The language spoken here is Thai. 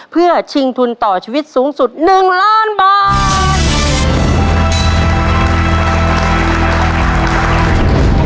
เพื่อชิงทุนต่อชีวิตสูงสุด๑ล้านบาท